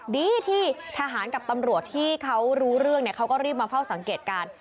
ดีที่ทหารกับตำรวจที่เขารู้เรื่องเขาก็รีบมาเฝ้าสังเกตการณ์